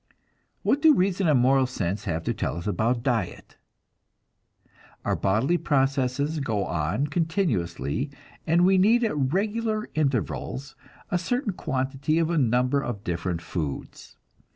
What do reason and moral sense have to tell us about diet? Our bodily processes go on continuously, and we need at regular intervals a certain quantity of a number of different foods.